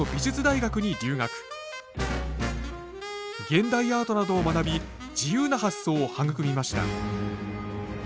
現代アートなどを学び自由な発想を育みました。